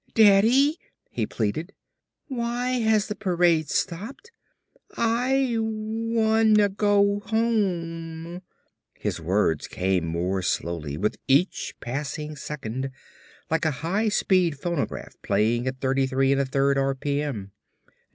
Daddy," he pleaded, "why has the parade stopped? I wan na go home " His words came more slowly with each passing second, like a high speed phonograph playing at thirty three and a third r.p.m.